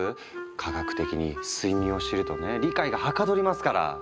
科学的に睡眠を知るとね理解がはかどりますから！